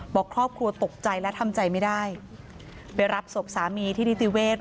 บอกครอบครัวตกใจและทำใจไม่ได้ไปรับศพสามีที่นิติเวศ